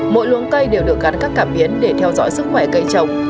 mỗi luống cây đều được gắn các cảm biến để theo dõi sức khỏe cây trồng